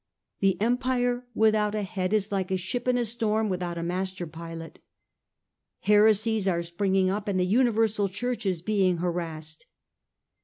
The Empire without a head is like a ship in a storm without a master pilot. Heresies are springing up and the universal Church is being harassed.